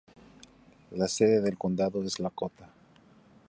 La sede del condado es Lakota.